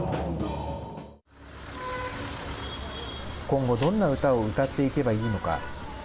今後どんな歌を歌っていけばいいのか。